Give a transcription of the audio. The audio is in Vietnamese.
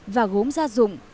và gốm gia dụng